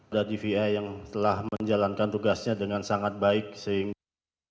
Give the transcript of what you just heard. dvi yang telah menjalankan tugasnya dengan sangat baik sehingga